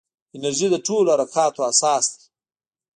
انرژي د ټولو حرکاتو اساس دی.